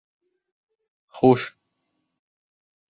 — Хуш.